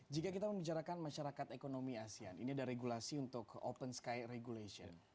jika kita membicarakan masyarakat ekonomi asean ini ada regulasi untuk open sky regulation